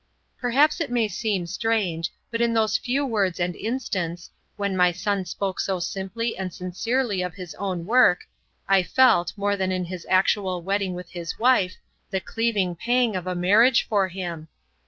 Perhaps it may seem strange, but in those few words and instants, when my son spoke so simply and sincerely of his own work, I felt, more than in his actual wedding with his wife, the cleaving pang of a marriage for him.